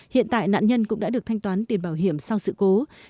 hiện tại nạn nhân cũng đã được thanh toán tiền bảo hiểm sau sự cố